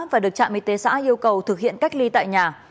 và được trạm y tế xã yêu cầu thực hiện cách ly tại nhà